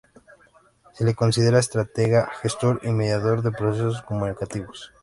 Se le considera estratega, gestor, y mediador de procesos comunicativos.